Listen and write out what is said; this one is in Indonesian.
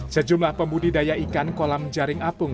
sejumlah pembudidaya ikan kolam jaring apung